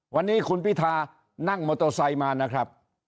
วันนี้คุณพิธานั่งมอเตอร์ไซค์มานะครับ